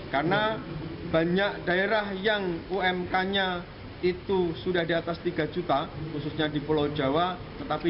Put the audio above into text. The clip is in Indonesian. karena banyak daerah yang umk nya itu sudah di atas tiga juta khususnya di pulau jawa